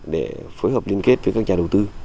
để phối hợp liên kết với các nhà đầu tư